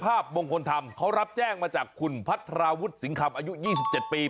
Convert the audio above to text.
มงคลธรรมเขารับแจ้งมาจากคุณพัทราวุฒิสิงคำอายุ๒๗ปี